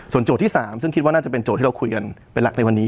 โจทย์ที่๓ซึ่งคิดว่าน่าจะเป็นโจทย์ที่เราคุยกันเป็นหลักในวันนี้